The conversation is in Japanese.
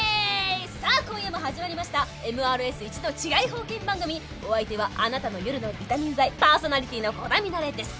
さあ今夜も始まりましたＭＲＳ一の治外法権番組お相手はあなたの夜のビタミン剤パーソナリティーの鼓田ミナレです。